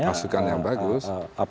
hasilkan yang bagus